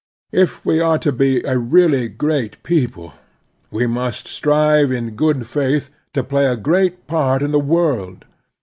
If we are to be a really great people, we must strive in good faith to play a great part in the world.